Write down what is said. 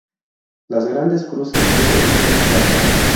Los grandes cruces llevan una placa.